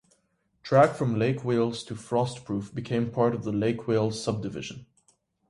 Track from Lake Wales to Frostproof became part of the Lake Wales Subdivision.